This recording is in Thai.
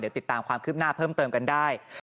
เดี๋ยวติดตามความคืบหน้าเพิ่มเติมกันได้